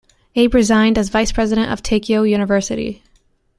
Abe resigned as vice-president of Teikyo University.